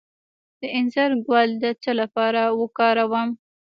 د انځر ګل د څه لپاره وکاروم؟